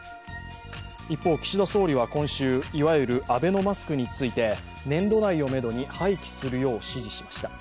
一方、岸田総理は今週、いわゆるアベノマスクについて年度内をめどに廃棄するよう指示しました。